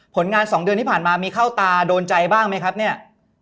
ผลงาน๒เดือนที่ผ่านมามีเข้าตาโดนใจบ้างไหมครับเนี่ย